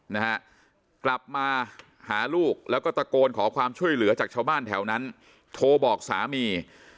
นะฮะกลับมาหาลูกแล้วก็ตะโกนขอความช่วยเหลือจากชาวบ้านแถวนั้นโทรบอกสามี